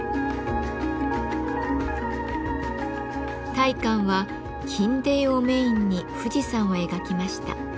大観は金泥をメインに富士山を描きました。